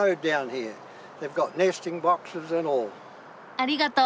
ありがとう。